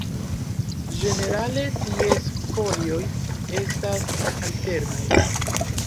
Ĝenerale ties folioj estas alternaj.